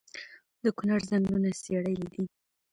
د کونړ ځنګلونه څیړۍ دي